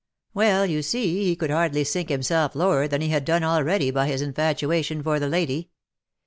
"Well, you see, he could hardly sink himself lower than he had done already by his infatuation for the lady.